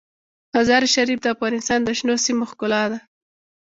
مزارشریف د افغانستان د شنو سیمو ښکلا ده.